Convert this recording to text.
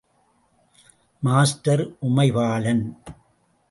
Master Umaibalan!